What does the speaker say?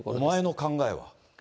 お前の考えは？